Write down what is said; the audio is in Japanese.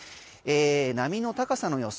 波の高さの予想